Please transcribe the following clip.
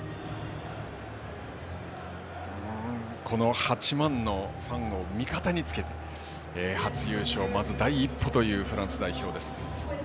この８万のファンを味方につけて初優勝、まず第一歩というフランス代表です。